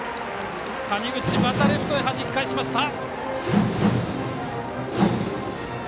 谷口、またレフトへはじき返しました。